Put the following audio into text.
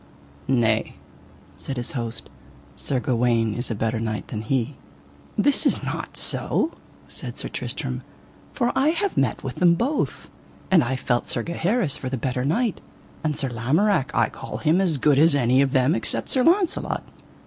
Nay, said his host, Sir Gawaine is a better knight than he. That is not so, said Sir Tristram, for I have met with them both, and I felt Sir Gaheris for the better knight, and Sir Lamorak I call him as good as any of them except Sir Launcelot.